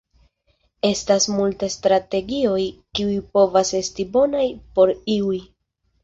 Estas multa strategioj, kiuj povas esti bonaj por iuj.